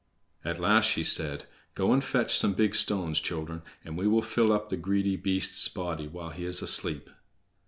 At last she said: "Go and fetch some big stones, children, and we will fill up the greedy beast's body while he is asleep."